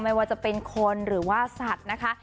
ไม่ว่าจะเป็นคนหรือว่าสัตว์นะคะ